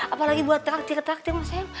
apalagi buat traktir traktir mah sayang